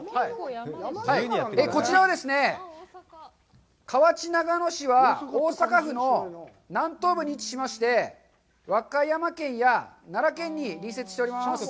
こちらはですね、河内長野市は、大阪府の南東部に位置しまして、和歌山県や奈良県に隣接しております。